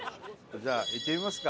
じゃあ行ってみますか。